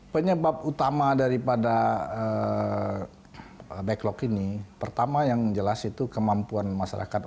penyebab utama daripada backlog ini pertama yang jelas itu kemampuan masyarakat